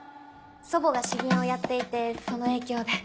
祖母が詩吟をやっていてその影響で。